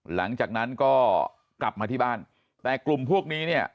หลังจากนั้นก็กลับมาที่บ้านแต่กลุ่มพวกนี้เนี่ย